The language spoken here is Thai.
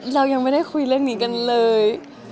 เรายังไม่ได้คุยเรื่องนี้กันเลย